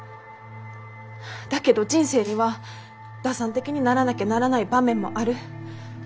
だけど人生には打算的にならなきゃならない場面もある。